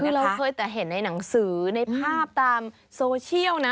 คือเราเคยแต่เห็นในหนังสือในภาพตามโซเชียลนะ